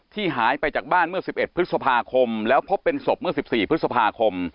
หายไปจากบ้านเมื่อ๑๑พฤษภาคมแล้วพบเป็นศพเมื่อ๑๔พฤษภาคม